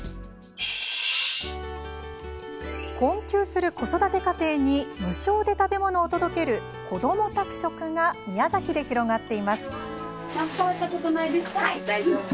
困窮する子育て家庭に無償で食べ物を届けるこども宅食が宮崎で広がっています。